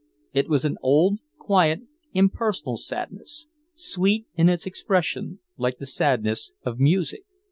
It was an old, quiet, impersonal sadness, sweet in its expression, like the sadness of music.